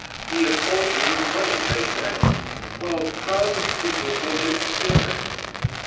He had bolted with money, they say. Well, crowds of people came in to stare at him.